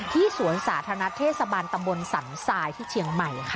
สวนสาธารณะเทศบาลตำบลสันทรายที่เชียงใหม่ค่ะ